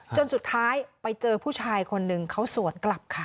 จนสุดท้ายไปเจอผู้ชายคนหนึ่งเขาสวนกลับค่ะ